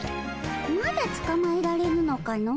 まだつかまえられぬのかの。